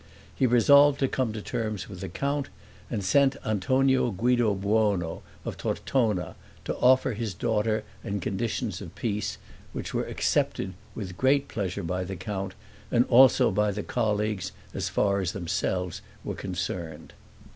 He resolved to come to terms with the count, and sent Antonio Guido Buono, of Tortona, to offer his daughter and conditions of peace, which were accepted with great pleasure by the count, and also by the colleagues as far as themselves were concerned.